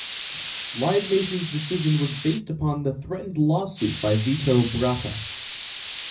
Live Nation's decision was based upon the threatened lawsuit by Vito Bratta.